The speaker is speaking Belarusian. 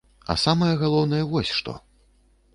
А самае галоўнае вось што.